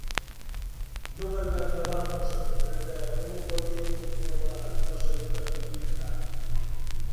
non alcanzabamos a comprender como podían conformar a nosa educación literaria.